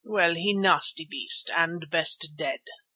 Well, he nasty beast and best dead.